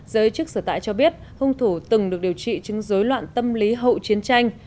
giới chức sở tại cho biết hung thủ từng được điều trị chứng dối loạn tâm lý hậu chiến tranh